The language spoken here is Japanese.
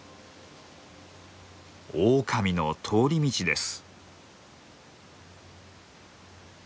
オオカミの通り道です。